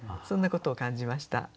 そんなことを感じました。